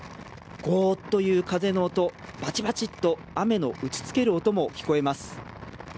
ごーっという風の音、ばちばちっと雨の打ちつける音も聞こえます。